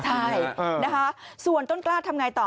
ใช่ส่วนต้นกล้าทำอย่างไรต่อ